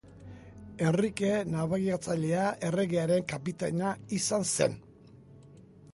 Henrike Nabigatzailea erregearen kapitaina izan zen.